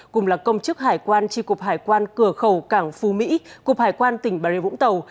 cùng là công chức hải quan tri cục hải quan cửa khẩu cảng phú mỹ cụp hải quan tỉnh bà rịa vũng tàu